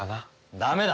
ダメだ。